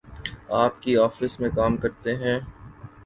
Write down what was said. آپ کی آفس میں کام کرتے ہیں۔